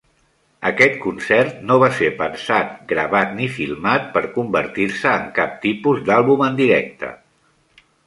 Aquest concert no va ser pensat, gravat ni filmat per convertir-se en cap tipus d'àlbum en directe.